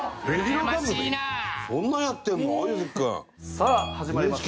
さあ始まりました